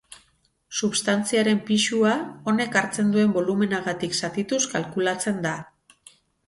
Substantziaren pisua, honek hartzen duen bolumenagatik zatituz kalkulatzen da.